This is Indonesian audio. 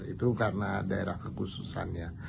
itu karena daerah kekhususannya